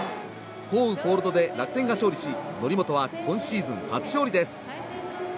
降雨コールドで楽天が勝利し則本は今シーズン初勝利です。